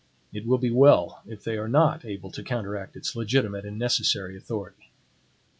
It will be well if they are not able to counteract its legitimate and necessary authority.